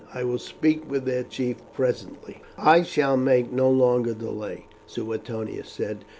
I will speak with their chief presently." "I shall make no longer delay," Suetonius said.